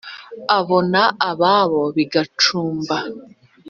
abona ababo b’ i gacuba